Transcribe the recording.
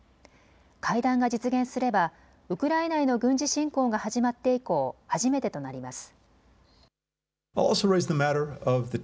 会談が実現すればウクライナへの軍事進攻が始まって以降初めてとなります。